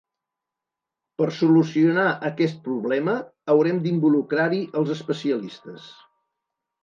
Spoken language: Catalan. Per solucionar aquest problema haurem d'involucrar-hi els especialistes.